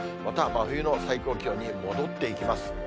また真冬の最高気温に戻っていきます。